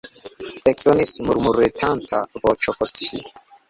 Eksonis murmuretanta voĉo post ŝi.